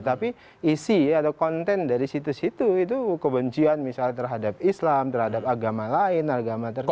tapi isi atau konten dari situs itu itu kebencian misalnya terhadap islam terhadap agama lain agama tertentu